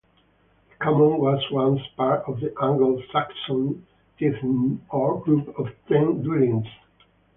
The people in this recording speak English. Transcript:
The common was once part of an Anglo-Saxon tithing, or group of ten dwellings.